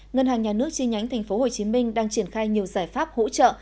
ngân hàng nhà nước chi nhánh tp hcm đang triển khai nhiều giải pháp hỗ trợ